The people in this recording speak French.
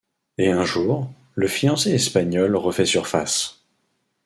Et un jour, le fiancé espagnol refait surface.